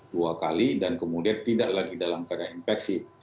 dua kali dan kemudian tidak lagi dalam keadaan infeksi